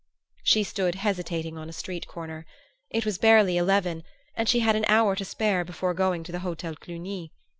She stood hesitating on a street corner. It was barely eleven, and she had an hour to spare before going to the Hotel Cluny.